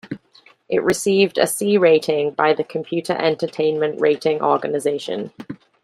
It received a C rating by the Computer Entertainment Rating Organization.